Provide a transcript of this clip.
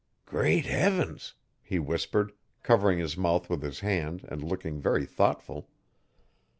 'Great heavens!' he whispered, covering his mouth with his band and looking very thoughtful.